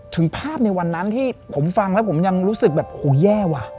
ถึงภาพในวันนั้นที่ผมฟังแล้วผมยังรู้สึกแบบโหแย่ว่ะ